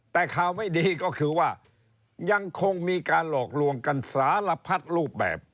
แต่ข่าวไม่ดีก็คือว่ายังคงมีการหลอกลวงกันสารพัดรูปแบบ